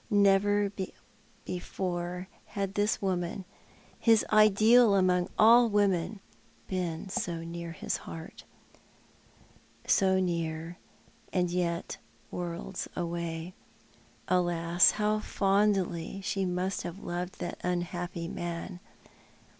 Never before had this woman — his ideal among all women — been so near his heart. So near, and yet worlds away! Alas, how fondly she mu't have loved that unhappy man!